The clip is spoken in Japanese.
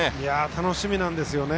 楽しみなんですよね。